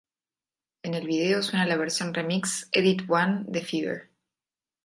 En el vídeo suena la versión remix "Edit One" de "Fever".